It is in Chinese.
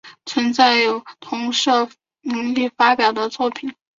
存在有同社名义发表的作品。